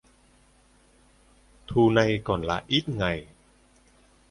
Thu nay còn lại ít ngày